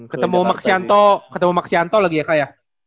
ketemu maxianto ketemu maxianto lagi ya kak ya